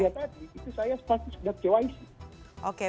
itu saya sepatu sudah kyc